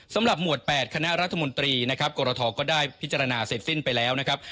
หมวด๘คณะรัฐมนตรีนะครับกรทก็ได้พิจารณาเสร็จสิ้นไปแล้วนะครับ